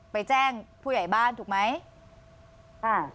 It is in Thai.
ไปแจ้งผู้ใหญ่บ้านถูกไหมอ่า